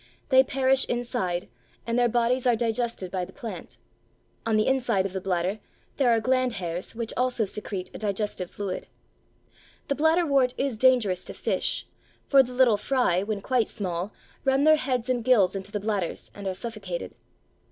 They perish inside and their bodies are digested by the plant; on the inside of the bladder there are gland hairs which also secrete a digestive fluid. The bladderwort is dangerous to fish, for the little fry, when quite small, run their heads and gills into the bladders and are suffocated.